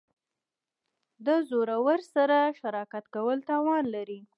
د زورورو سره شراکت کول تاوان لري.